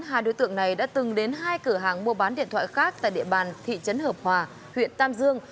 hai đối tượng này đã từng đến hai cửa hàng mua bán điện thoại khác tại địa bàn thị trấn hợp hòa huyện tam dương